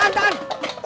tahan tahan tahan